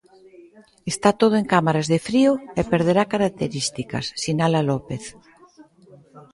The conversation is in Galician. "Está todo en cámaras de frío e perderá características", sinala López.